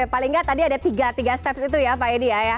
paling nggak tadi ada tiga step itu ya pak edi